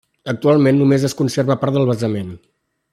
Actualment només es conserva part del basament.